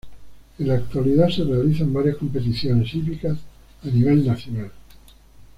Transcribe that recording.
En la actualidad se realizan varias competiciones hípicas a nivel nacional.